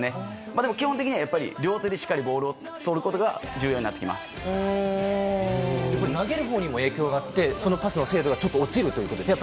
でも基本的には両手を使ってボールをとることが投げるほうにも影響があってパスの精度が落ちるということですね。